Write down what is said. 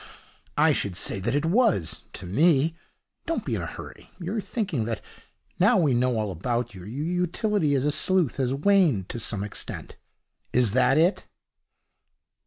'I should say it was to me. Don't be in a hurry. You're thinking that, now we know all about you, your utility as a sleuth has waned to some extent. Is that it?'